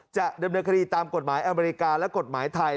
จะดำเนินคดีตามกฎหมายอเมริกาและกฎหมายไทย